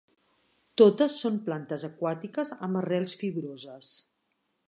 Totes són plantes aquàtiques amb arrels fibroses.